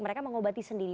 mereka mengobati sendiri